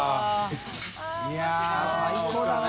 いや最高だね。